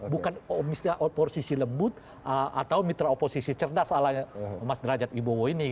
bukan misalnya oposisi lembut atau mitra oposisi cerdas alanya mas derajat ibowo ini